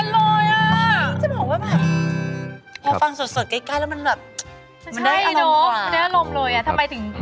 ทำไมถึงเลือกเพลงนี้ค่ะ